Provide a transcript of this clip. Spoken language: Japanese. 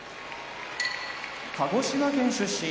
鹿児島県出身